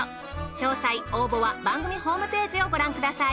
詳細応募は番組ホームページをご覧ください。